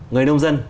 người nông dân